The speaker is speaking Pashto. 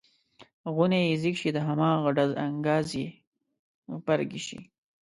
غونی یې ځیږ شي د هماغه ډز انګاز یې غبرګې شي.